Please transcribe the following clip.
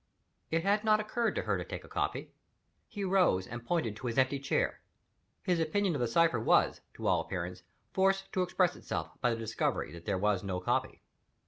It had not occurred to her to take a copy. He rose and pointed to his empty chair. His opinion of the cipher was, to all appearance, forced to express itself by the discovery that there was no copy.